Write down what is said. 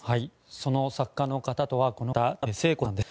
その作家の方とは田辺聖子さんです。